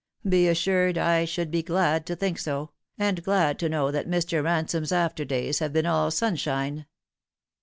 Be assured I should be glad to think so, and glad to know that Mr. Ransome's after days have been all sunshine."